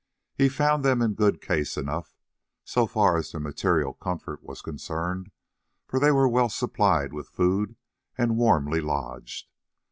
He found them in good case enough, so far as their material comfort was concerned, for they were well supplied with food and warmly lodged.